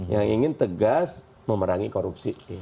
yang ingin tegas memerangi korupsi